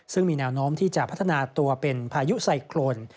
ซึ่งมีแนวโน้มที่จะพัฒนาตัวเป็นพายุไซโครน